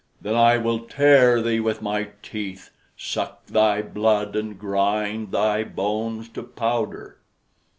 Then I will tear thee with my teeth, suck thy blood, and grind thy bones to powder."